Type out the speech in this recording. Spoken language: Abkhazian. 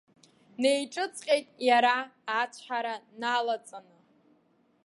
Неиҿыҵҟьеит иара, ацәҳара налаҵаны.